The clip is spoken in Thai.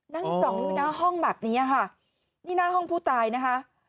นั่งจ่องอยู่หน้าห้องแบบนี้ค่ะนี่หน้าห้องผู้ตายนะคะ